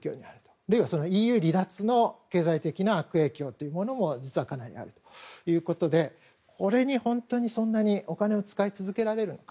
あるいは、ＥＵ離脱の経済的な悪影響も実は、かなりあるということでこれに本当にそんなにお金を使い続けられるのか。